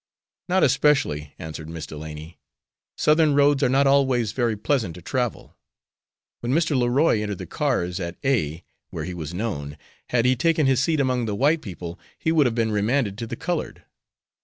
"Not especially," answered Miss Delany. "Southern roads are not always very pleasant to travel. When Mr. Leroy entered the cars at A , where he was known, had he taken his seat among the white people he would have been remanded to the colored."